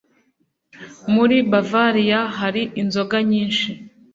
Muri Bavariya hari inzoga nyinshi.